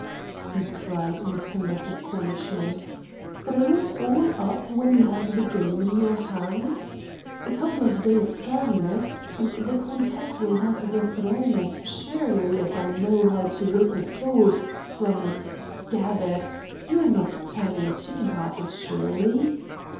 he cried in a tone of astonishment. "Throw it all up when you have the game in your hands? A couple of days' firmness and the countess will have the throne as surely as I know how to whip a sword from its scabbard. You're not turning chicken hearted, surely?"